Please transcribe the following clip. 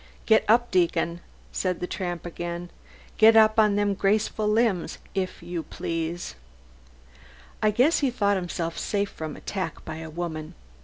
"Get up, deacon!" said the tramp again. "Get up on them graceful limbs, if you please." I guess he thought himself safe from attack by a woman.